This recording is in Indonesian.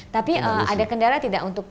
tapi ada kendala tidak untuk